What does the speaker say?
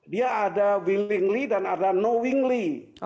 dia ada willing dan ada knowingly